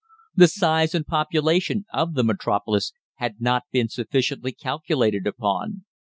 The size and population of the Metropolis had not been sufficiently calculated upon.